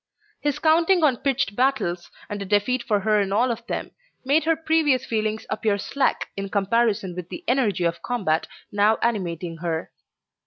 His counting on pitched battles and a defeat for her in all of them, made her previous feelings appear slack in comparison with the energy of combat now animating her.